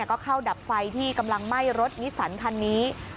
ก็เข้าดับไฟที่กำลังไหม้รถนิสสันคันนี้